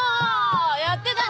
やってたね。